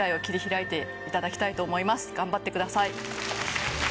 頑張ってください。